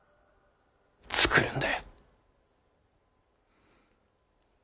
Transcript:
作るんだ。